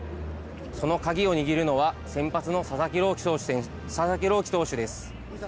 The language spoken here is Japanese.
その鍵を握るのは先発の佐々木朗希投手です。